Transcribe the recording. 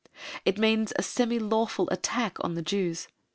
It means a semi lawful attack on Jews.